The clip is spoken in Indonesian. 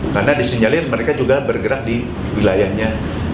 karena disinyalin mereka juga bergerak di wilayahnya